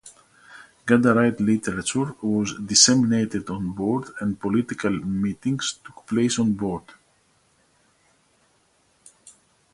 Ghadarite literature was disseminated on board and political meetings took place on board.